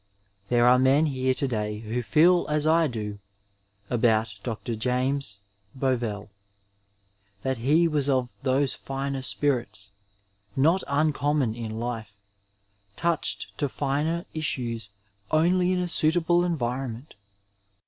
There are men here to day who feel as I do about Dr. James Bovell — ^that he was of those finer spirits, not uncommon in Ufe, touched to finer issues only in a suitable environment.